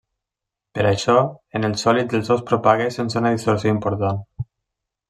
Per això, en els sòlids el so es propaga sense una distorsió important.